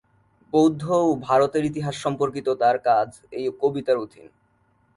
বৌদ্ধ ও ভারতের ইতিহাস সম্পর্কিত তার কাজ এই কবিতার অধীন।